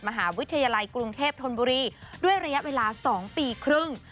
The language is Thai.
มหาวิทยาลัยกรุงเทพธนบุรีด้วยระยะเวลา๒ปีครึ่ง